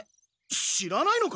知らないのか？